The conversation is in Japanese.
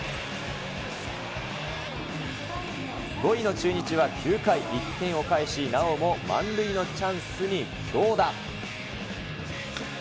５位の中日は９回、１点を返し、なおも満塁のチャンスに京田。